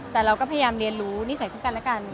แต่เราก็พยายามเรียนรู้นิสัยซึ่งกันและกัน